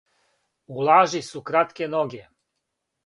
У лажи су кратке ноге.